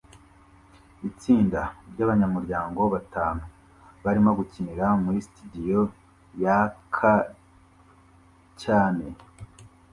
Itsinda ryabanyamuryango batanu barimo gukinira muri sitidiyo yaka cyane